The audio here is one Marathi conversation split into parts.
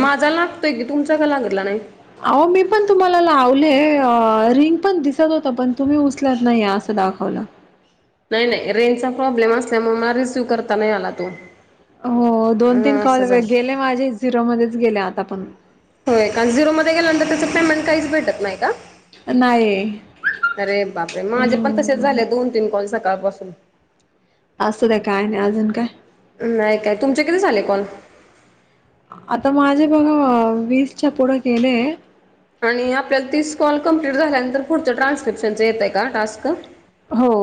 माझा लागतय की तुमचा का लागतला नाही अहो मी पण तुम्हाला लावले अं रिंग पण दिसत होत पण तुम्ही उचलत नाही असं दाखवल नाही, नाही रेंजचा प्रॉब्लेम असल्यामुळे मला रिसीव्ह करता नाही आला तो हो दोन तीन हं कॉल असं झालं गेले माझे झिरोमध्येच गेले आता पण होय कारण झिरोमध्येध्ये गेल्यानंतर त्याच पेमेंट काहीच भेटत नाही का? नाही अरे बापरे माझे पण तसेच हं, झाले दोन, तीन कॉल सकाळ पासून असू दे काय नाही अजून काय नाही काय तुमचे किती झाले कॉल आता माझे बघा वीसच्या पुढं गेले आणि आपल्याला तीस कॉल कमप्लीट झाल्यानंतर पुढच ट्रान्स्क्रिप्शनचं येत आहे का टास्क हो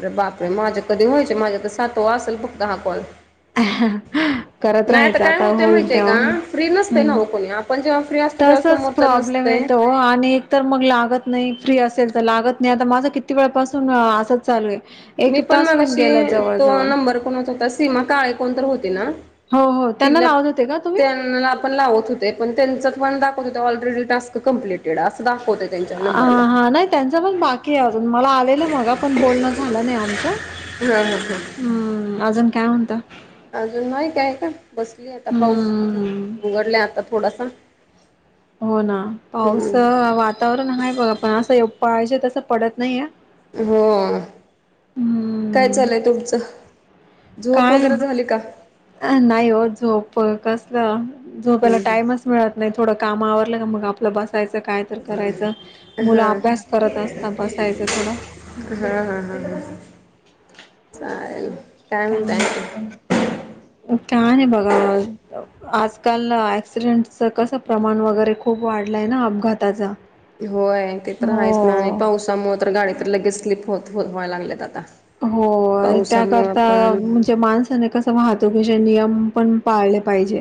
अरे बापरे माझे कधी व्हायचे माझ्या तर सातवा असेल बघत हा कॉल करत नाही राहायचं काय आता होतंय होईल माहितीय तेव्हा का होईल फ्री नसते ना हम्म हो आपण जेव्हा फ्री अस तसच प्रॉब्लेम येतो ओ आणि तर मग लागत नाही फ्री असेल तर लागत नाही आता माझं किती वेळापासून असंच चालू आहे एक मी पण तास होऊन मगाशी गेला तो जवळ-जवळ. नंबर कुणाचं होता सीमा काळे कोणतरी होती ना हो हो त्यांना तिला लावत होते का तुम्ही? त्यांना लावत होते पण त्यांच पण दाखव होत ऑलरेडी टास्क कम्प्लीटेड असं दाखवतय त्यांच्या हा, नंबरला हा नाही त्यांच पण बाकी आहे अजून मला आलेलं मगा पण बोलणं झालं नाही आमचं हम्म अजून काय म्हणता? [unintelligible] अजून नाही काय असं बसली आता पाऊस हम्म. उघडला आता थोडासा हो ना पाऊस हम्म वातावरण आहे बघा पण असं पाहजे तसं पडत नाही या हो काय हम्म चालय तुमचं? झोप काय वगैरे झाली का नाही ओ झोप कसलं झोपेला हम्म हम्म टाइमच मिळत नाही थोडं काम आवरलं का मग आपलं बस उठायचं काय तर करायचं मुलं हा अभ्यास करत असतात बसायच थोडं ह, ह, ह, ह चालेल काय का म्हणताय आणखी म्हणता [unintelligible] काय नाही बघा आजकाल ऍक्सिडेंटच कसं प्रमाण वगैरे खूप वाढलंय ना अपघाताचा होय ते तर हो हायच ना आणि पावसामुळ तर गाडी तर लगेच स्लीप होत होत व्हाय लागल्यात आता होय पावसामुळे त्याकरता पण म्हणजे माणसाने कस वाहतुकीचे नियम पण पाळले पाहिजे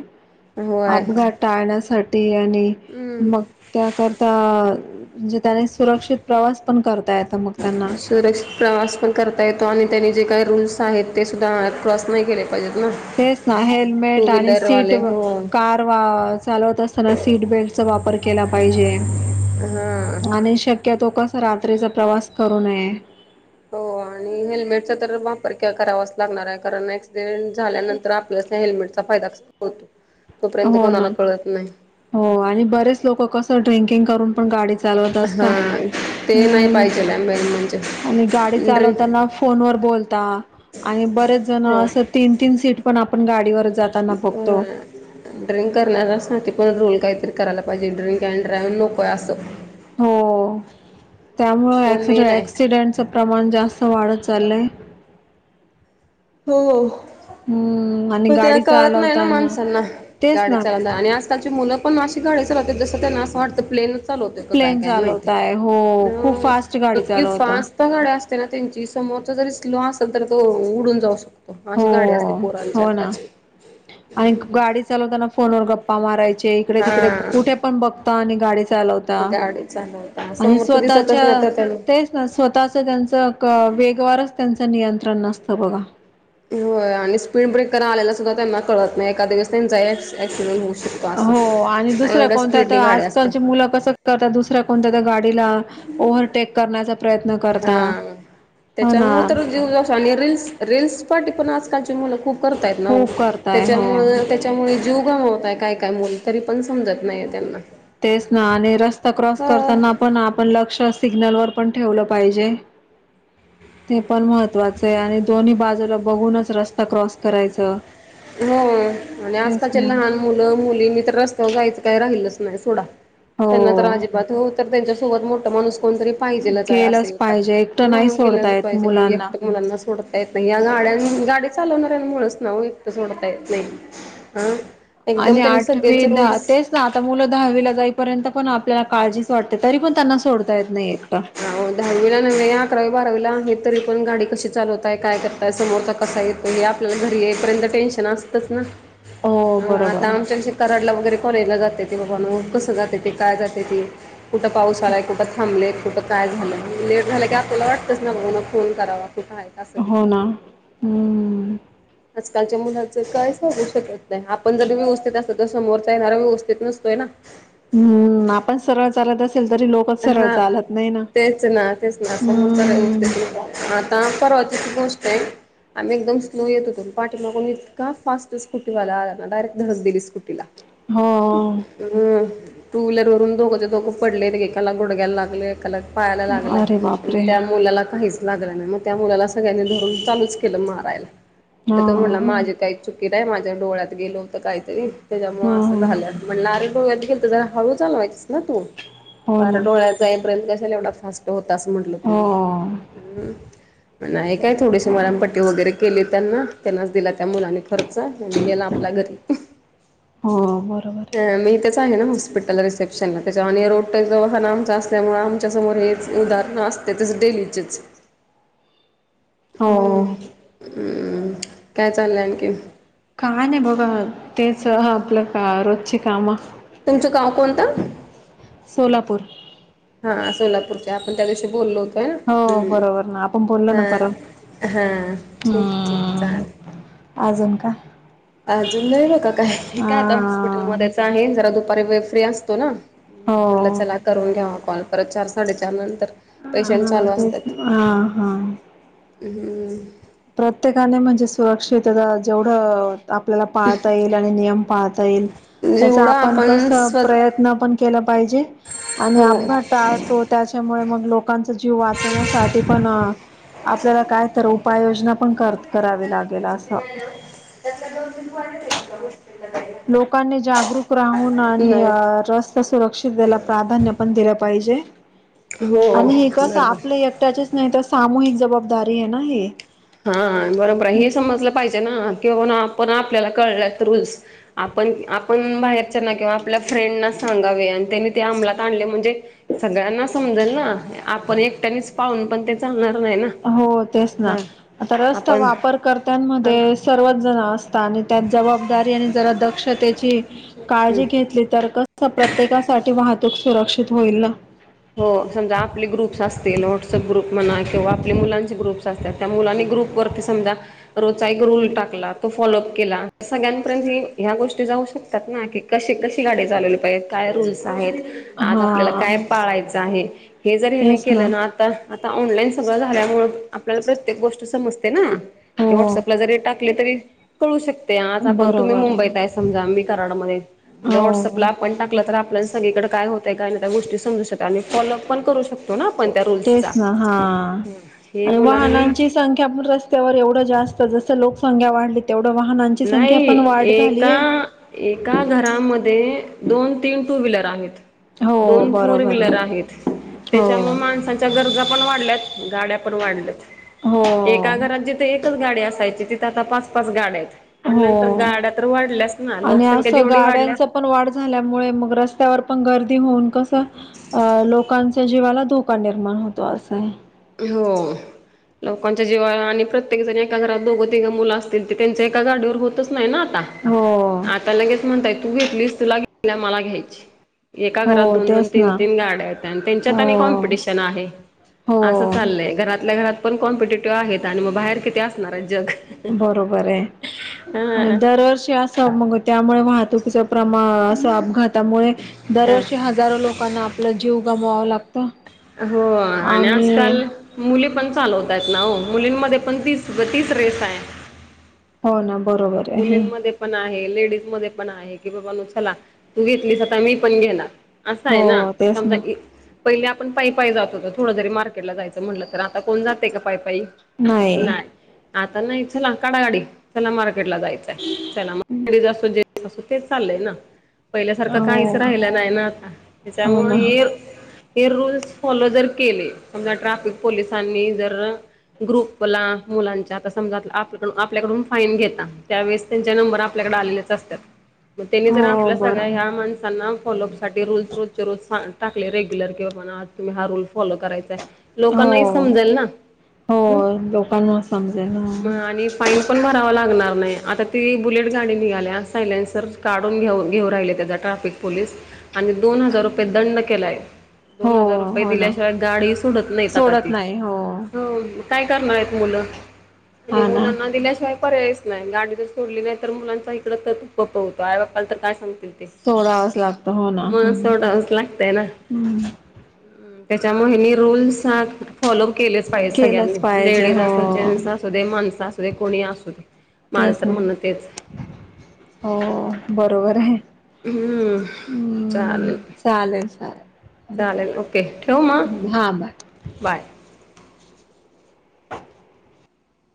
होय. अपघात टाळण्यासाठी आणि हम्म मग त्याकरता म्हणजे त्याने सुरक्षित प्रवास पण करता येत मग तेंना सुरक्षित प्रवास पण करता येतो आणि त्यांनी जे काइ रूल्स आहेत ते सुुददा क्रॉस नाई केले पाहिजेत ना तेच ना टू हेल्मेट आणि सीट व्हीलरवाले व हो कार [inaudible] चालवत असताना सीट बेल्टचा वापर केला पाईजे हा. आणि शक्यतो कस रात्रीच प्रवास करू नये हो आणि हेल्मेटचा तर वापर कर करावाच लागणाराय कारण ऍक्सिडेंट झाल्यानंतर आप हेल्मेटचा फायदा होतो तोपर्यंत हो ना कोणाला कळत नाई हो आणि बरेच लोक कसं ड्रिंकिंग करून पण गाडी चालवत असता हा ते नाही हम पाहिजेल मेन आणि गाडी म्हणजे चालवत ड्रिं असताना फोन वल बोल आणि बरेच जण हो अस तीन तीन सीट पण आपण गाडीवर जात होय ड्रिंक करणार्यासाठी पण रोल काइतरी करायला पाहिजे ड्रिंक अड ड्राइव्ह नकोय असं हो त्यामुळे तो एक्स मेन आहे अॅक्सिडेंटचं प्रमाण जास्त वाढत चाललंय हो हो हम्म आणि प ते गाडी कळत नाय ना चालवताना माणसांना तेच गाडी ना चालवताना आणि अस ताची मुलं पण अशी गाडी चालवतात जसं त्यांना असं वाटतं प्लेन चाल होत का काय प्लेन काय माहिती चालवताय हो खूप अ फास्ट गाडी इतकी चालवता. फास्ट गाड असते ना तेंची समोरचा जरी स्लो असेल तर तो उडून जाऊ शकतो अशी गाडया असते पोरांच्या हा आणि गाडी चालवताना फोन वर गप्पा मारायचे इकडे हा तिकडे कुटे पण बघता आणि गाडी चालवता गाडी चालवता आणि समोरच दिसतच स्वतःच्या नाही तर त्याला तेच स्वतःच त्यांचं क वेगवारच त्यांचं नियंत्रण नसतं बगा हो आणि स्पीड ब्रेक कर आल्याला सुद्धा त्यांना कळत नाई एकाद्यावेळेस तेंचा एक्सीडेंट होऊ असं. हो आणि दुसऱ्या एवढ्या स्पीडने कोणत्याता गाडी असते आजकालची मुलं कसं करतात दुसऱ्या कोणत्या त्या गाडीला ओव्हरटेक करण्याचा प्रयत्न करता हा. ह ना त्याच्यामुळे तर जीव जातो आणि रिल्स रिल्स पाठी आजकालची मुलं खूप करताय नाओ खूप करताय तेच्या हो मुळ त्यामुळे जीव गमवताय काय काय मुल तरी पण समजत नाहीये त्यांना तेच ना आणि रस्ता क्रॉस हा करताना पण आपण लक्ष सिग्नल वर पण ठेवलं पाहिजे ते पण महत्वाचंय आणि दोन्ही बाजूला बघूनच रस्ता क्रॉस करायच हो आणि आजकालचे लहान मुलं मुलींनी तर रस्त्यावर जायचं काय राहिलच न्हाइ सोडा त्यांना तर हो अजिबात हो तर तेंच्यासोबत मोठ माणूस कोणतरी पाहिजेलाचाय असं केलंच येतात पाहिजे एकटं नाही ह सोडता गेलच येत पाहिजे मुलांना. एकटं मुलांना सोडत येत नाही या गाड्यां गाडी चालवणाऱ मुळच ना ओ एकट सोडता येत नाई ह आणि आठवी दहा तेच आता मुलं दहावीला जाईपर्यंत पण आपल्याला काळजीच वाटते तरी पण त्यांना सोडता येत नाही एकट हो दहावीला नव अकरावी बारावीला आहे तरी पण गाडी कशी चालवताय काय करताय समोरचा कसा येत तरी आपल्याला घरी येईपर्यंत टेन्शन असतंच ना हो म आता बरोबर आहे आमच्याशी कराडला वगैरे कॉलेजला जात्याते बाबानो कसं जात्याती काय जात्याती कुट पाऊस आलाय कुट थांबलेत कुट काय झालं लेट झालं की आपल्याला वाटतंच ना बा फोन करावा कुट हाय हो ना हम् आजकालच्या मुलाचं काय सांगू शकत नाही आपण जरी व्यवस्थित अस तर समोरचा येणारा व्यवस्थित नसतोय ना. हम्म आपण सरळ चालत असेल तरी लोक हा तेच ना तेच ना समोर तर. हम्म [unintelligible] ता परवाचीच गोष्ट आहे आम्ही एकदम स्लो येत होतो पाठीमागून इतका फास्ट स्कुटीवाला आला ना डायरेक्ट धडक दिली स्कूटीला. हां. तर मग टू व्हहीलर वरून दोघंचे दोघं पडलेले एकाला गुडग्याला लागलंय एकाला पायाला लागलं अरे आणि बापरे त्या मुलाला काहीच लागलं नाही म त्या मुलाला सगळ्यांनी धरून चालूच केलं मारायला तर हा तो म्हटला माझे काही चूक कित आहे माझ्या डोळ्यात गेलोत काहीतरी त्याच्यामुळे हा असं झाल्या. म्हणलं अरे गोव्याला गेलते जरा हळू चालवायचीस ना तू. हो पारा ना डोळ्याजाईत पर्यंत कशाला एवढा फास्ट होता असं म्हटल तु. हो हम्म नाय काय थोडीशी मरमपट्टी वगैरे केली त्यांना त्यांनाच दिला त्या मुलानी खर्च आणि गेला आपल्या घरी. हो बरोबर अ आहे मी इथच आहे ना हॉस्पिटल रिसेप्शनला त्याच्या आणि हे रोड एकटं दवाखाना आमचा असल्यामुळे आमच्या समोर हेच उदाहरण असतेच डेलीचेच. हो उम्म उम्म काय चाललंय आणखी? का हा नाही बबा तेच आपलं का रोजची कामं. तुमचं गाव कोणतं? सोलापूर हा सोलापूरचे आपण त्या दिवशी बोललो होतो आहे ना हो हम्म बरोबर ना आपण बोललो ना हा. परत हा ठीक आहे ठीक आहे चालेल. आजून का? अजून नाही आहे का काय अ काय आता हॉस्पिटलमध्येच आहे जरा दुपारी वेळ फ्री असतो ना मग हो म्हटलं चला करून घ्यावा कॉल परत चार साडेचार नंतर ह पेशंट हा चालू तेच असतात. ना हा हा. हम्म. उम्म. प्रत्येकाने म्हणजे सुरक्षितता जेवढं आपल्याला पळता येईल आणि नियम पाळता येईल त्याचा जेवढं आपण कसं स्व प्रयत्न पण केला पाहिजे आणि हो अपघात टाळ तो त्याच्यामुळे मग लोकांचा जीव वाचवण्यासाठी पण आपल्याला काय तर उ पाय योजना पण करत करावी लागेल असं. त्याचा दोन तीन पॉइंटच आहे. [unintelligible] लोकांनी जागरूक राहून आणि नाही अ रस ता सुरक्षितेला प्राधान्य पण दिलं पाहिजे हो आणि हे कसं बरोबर आपलं एक ट्याच नाही तर सामूहिक जबाबदारी आहे ना हे. हा बरोबर हे समजलं पाहिजे ना कि बाबानो आपण आपल्याला कळल्यात रूल्स आपण आपण बाहेरच्या ना किंवा आपल्या फ्रेंडना सांगावे आणि त्यांनी ते अमलात आणले म्हणजे सगळ्यांना समजेल ना आपण एकट्यानेच पाहून पण ते चालणार नाय ना. हो तेच ना हा आता रस्ता आपण हा वापरकर्त्यांमध्ये सर्वच जण असतात आणि त्यात जबाबदारी आणि जरा दक्षतेची हम्म काळजी घेतली तर कसं प्रत्येकासाठी वाहतूक सुरक्षित होईल ना. हो समजा आपले ग्रुप्स असतील व्हॉट्सअप ग्रुप म्हणा किंवा आपल्या मुलांचे ग्रुप्स अस त्यात त्या मुलांनी ग्रुपवरती समजा रोचा एक रूल टाकला तो फॉलो अप केला सगळ्यांपर्यंत ह्या गोष्टी जाऊ शकतात. ना की कशी कशी गाडी चालवली पाहिजे काय रूल्स आहेत. आज आपल्याला हा काय पाळायचं आहे हे जर हेनी केलं ना आता आता ऑनलाईन सगळं झाल्यामुळे आपल्याला प्रत्येक गोष्ट समजते ना हो. व्हॉट्सअपला जरी टाक तरी कळू शकते आज आपण तुम्ही मुंबईत आहे समजा मी कराडमध्ये हो व्हॉट्सअपला आपण टाकलं तर आपल्याला सगळीकडे काय होतय नाही त्या गोष्टी समजू शकतात आणि फॉलोपण करू शको. तो ना आपण त्या रूल्स तेच ना हा. हे आणि मुलांनी वाहनांची संख्या पण रस्तावर एवढ जास्त जसं लोकसंख्या वाढली. तेवढं वाहनांची संख्या नाही पण वाढ एका झालीय. एका घरामध्ये दोन तीन टू व्हीलर आहेत. हो दोन फोर बरोबर व्हीलर आहे आहेत हो. त्याच्यामुळे माणसा गरजा पण वाढल्या गाड्या पण वाढल्यात एका हो घरात जिथे कच गाडी असायची तिथे आता पाच पाच गाड्या आहेत. म्हटल्यानंतर हो. गाड्या तर वाढल्याच ना आणि लोकसंख्या असं जेवढी वाढल्यावर. गाड्यांच पण वाढ झाल्यामुळे मग रस्त्यावर पण गर्दी होऊन कसं. अ लोकांच्या जीवाला धोका निर्माण होतो असं हो लोकांच्या जेव्हा आणि प्रत्येक जण एका घरात दोघं तिघं मुलं असतील ते त्यांच्या एका गाडीवर होतच नाही ना आता. हो ता लगेच म्हणताय तू घेतलीस तुला घेतली मला घ्यायची. एका घरात हो दोन दोन तेच तीन ना तीन गाड्याता आणि त्यांच्यात आणि हो कॉम्पिटिशन आहे.. असं हो चाललंय घरातल्या घरात पण कॉम्पिटेटिव्ह आहेत आणि मग बाहेर किती असणार जग. बरोबर आहे आणि हा दरवर्षी अस मग त्यामुळे वाहतुकीचा प्रमाण अस अपघातामुळे हा. दरवर्षी ह हजारो लोकांना आपला जीव गमवाव लागतो. हो आणि आजकाल. मुली पण चालवत आहेत ना हो मुलींमध्ये पण तीस तीस रेस आहे. हो ना बरोबर आहे. मुलींमध्ये पण आहे लेडीज मध्ये पण आहे की बाबा न चला तू घेतलीस आता मी पण घेणार. असं आहे ना हो तेच समजा ना ये पहिले आपण पाय पाय जात होत थोडं जरी मार्केटला जायचं म्हटलं तर आता कोण जाते का. पाय पायी नाही आता नाही चला काडा गाडी चला मार्केट ला जायचं. त्याला मग जेस अस तेच चाललंय ना. पहिल्यासारखं काहीच हो राहिलं नाही ना आता हो ना त्याच्यामुळे हे हे रूल्स फॉलो जर केले समजा ट्रॅफिक पोलिसांनी जर. ग्रुपला मुलांच्या आता समज आपल्याकड आपल्याकडून फाईन घेता. त्यावेेळेस त्यांच्या नंबर आपल्याकडे आलेलेच असतात. मग त्यानी जर हो आपल्या सगळ्या बरोबर ह्या माणसांना फॉलो सासाठी रूल् रोज रोज सां टाकले रेग्युलर कि बा तुम्ही हा रूल फॉलो करायचा. हो लोकांनाही समजाल ना हो ह लोकांना समजेल ना. आणि फाईन पण भरावा लागणार. नाही आता ती बुलेट गाडी निघाल्या सायलेनसर काढून घेऊन घेऊ राहिले त्याचा ट्रॅफिक पोलीस. आणि दोन हजार रुपये दंड केलाय. हो दोन हजार रुपये हो ना दिल्याशिवाय गाडी सोडत नाहीत आता सोडत ती. नाही हो काय करणार आहेत मुलं आणि हा ना मुलांना दिल्याशिवाय पर्याय नाही. नाही गाडी जर सोडली नाही तर मुलांचा इकडं तत पप होतोय बा्पाला तर काय सांग. सोडावंच लागतं हो ना म- सोडावचं लागतयं ना. हम्म त्याच्यामुळे हिनी रूल्स सांग. फॉलो केलेचं पाहिजे केलंच सगळ्यांनी पाहिजे लेडीज, हो असू जेंट्स, असू दे माणसं, असू दे कोणी असू दे. माझं तर तेचं म्हणणं तेच ना हो बरोबर आहे. हम्म, हम्म चालेल. चालेल. चालेल चालेल ओके, ठेवू मग हा बाय बाय.